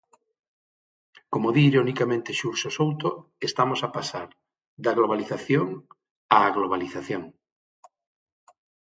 Como di ironicamente Xurxo Souto, estamos a pasar da globalización á globalización.